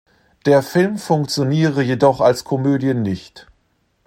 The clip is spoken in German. Der Film funktioniere jedoch als Komödie nicht.